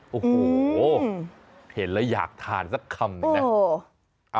โอ้โหเห็นแล้วอยากทานสักคำหนึ่งนะ